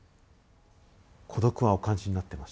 孤独はお感じになってましたか？